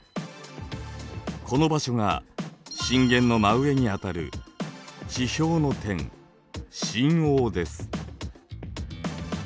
この場所が震源の真上にあたる地表の点「震央」です。